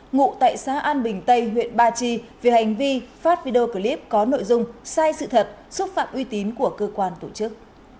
ngụ tại xã an bình tây huyện ba chi về hành vi phát video clip có nội dung sai sự thật xúc phạm uy tín của cơ quan tổ chức